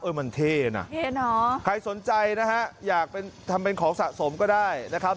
โอ้ยมันเท่นอ่ะเท่นเหรอใครสนใจนะฮะอยากเป็นทำเป็นของสะสมก็ได้นะครับ